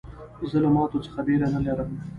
زه له ماتو څخه بېره نه لرم.